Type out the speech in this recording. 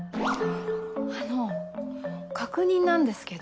あの確認なんですけど。